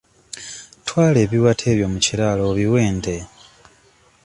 Twala ebiwata ebyo mu kiraalo obiwe ente.